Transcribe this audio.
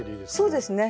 そうですね。